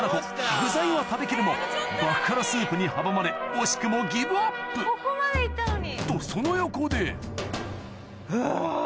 具材は食べ切るも爆辛スープに阻まれ惜しくもとその横でうわ。